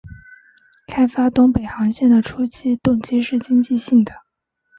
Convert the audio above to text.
开发东北航线的初期动机是经济性的。